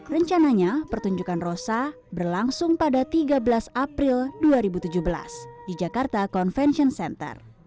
rencananya pertunjukan rosa berlangsung pada tiga belas april dua ribu tujuh belas di jakarta convention center